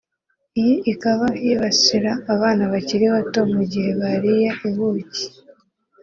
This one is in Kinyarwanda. Iyi ikaba yibasira abana bakiri bato mu gihe bariye ubuki